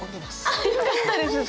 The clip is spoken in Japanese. あっよかったです。